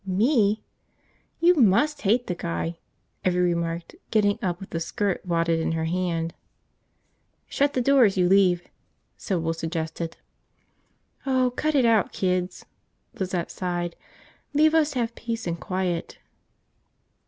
"Me?" "You must hate the guy," Evvie remarked, getting up with the skirt wadded in her hand. "Shut the door as you leave," Sybil suggested. "Oh, cut it out, kids," Lizette sighed. "Leave us have peace and quiet."